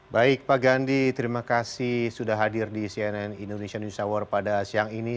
baik pak gandhi terima kasih sudah hadir di cnn indonesia news hour pada siang ini